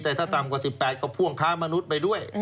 แต่ถ้าต่ำกว่า๑๘ก็พ่วงค้ามนุษย์ไปด้วย